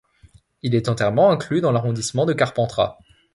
Il est entièrement inclus dans l'arrondissement de Carpentras.